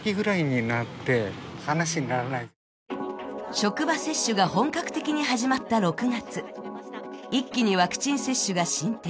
職場接種が本格的に始まった６月一気にワクチン接種が進展。